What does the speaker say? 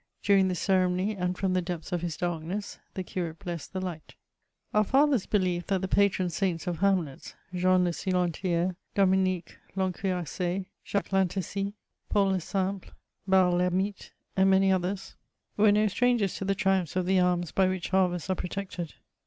During this ceremony, and from the depths of his darkness, the curate blessed the light. Our fathers believed that the patron s^ts of hamlets, Jean le Silentiairej Dominique V Encuirctsse^ Jacques Vlntereis^ Paul le Simpley Basle VErmite^ and many others, were no strangers to the triumphs of the arms by which harvests are protected.